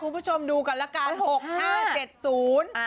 คุณผู้ชมดูกันละกันหกห้าเจ็ดศูนย์